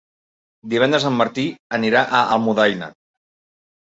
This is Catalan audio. Divendres en Martí anirà a Almudaina.